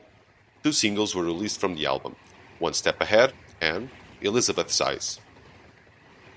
Two singles were released from the album, "One Step Ahead" and "Elisabeth's Eyes".